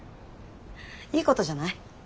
いいことじゃない。